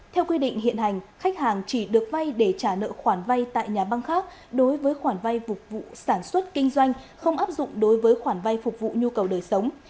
theo quy định hiện hành khách hàng chỉ được vay để trả nợ khoản vay tại nhà băng khác đối với khoản vay phục vụ sản xuất kinh doanh không áp dụng đối với khoản vay phục vụ nhu cầu đời sống